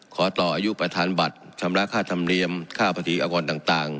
ขอต่ออายุประธานบัตรชำระค่าธรรมเนียมค่าภาษีอากรต่าง